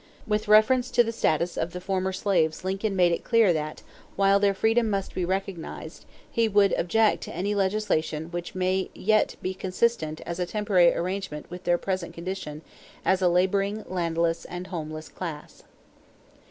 With reference to the status of the former slaves Lincoln made it clear that, while their freedom must be recognized, he would not object to any legislation "which may yet be consistent as a temporary arrangement with their present condition as a laboring, landless, and homeless class."